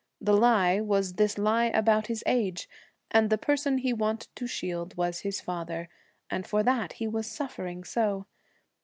The lie was this lie about his age, and the person he wanted to shield was his father. And for that he was suffering so!